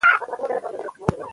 اوبه هماغسې کمې پاتې دي.